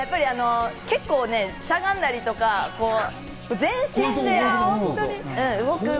結構しゃがんだりとか、全身で動く。